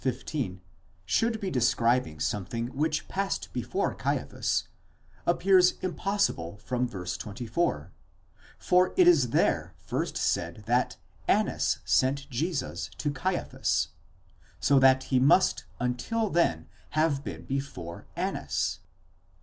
15, should be describing something which passed before Caiaphas, appears impossible from v. 24, for it is there first said that Annas sent Jesus to Caiaphas, so that he must until then have been before Annas.